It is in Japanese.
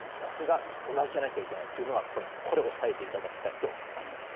これが同じじゃなきゃいけないのがポイントでこれ、押さえていただきたいと思います。